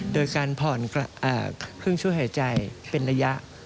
โดยการผ่อนเครื่องช่วยหายใจเป็นระยะ